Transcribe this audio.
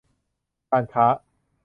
การค้า